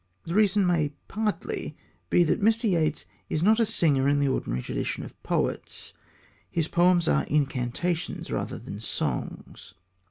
The reason may partly be that Mr. Yeats is not a singer in the ordinary tradition of poets. His poems are incantations rather than songs.